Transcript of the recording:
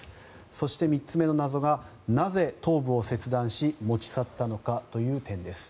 そして、３つ目の謎がなぜ、頭部を切断し持ち去ったのかという点です。